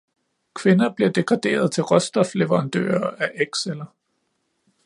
Kvinder bliver degraderet til råstofleverandører af ægceller.